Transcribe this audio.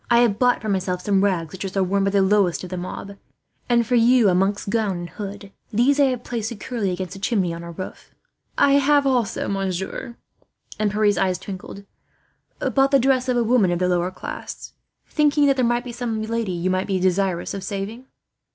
"I have bought for myself some rags, such as are worn by the lowest of the mob; and for you a monk's gown and hood. These I have placed securely against a chimney on our roof. "I have also, monsieur," and Pierre's eyes twinkled, "bought the dress of a woman of the lower class, thinking that there might be some lady you might be desirous of saving."